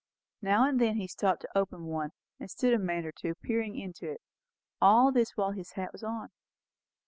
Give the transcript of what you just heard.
Now and then he stopped to open one, and stood a minute or two peering into it. All this while his hat was on.